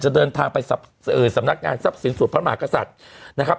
เดินทางไปสำนักงานทรัพย์สินส่วนพระมหากษัตริย์นะครับ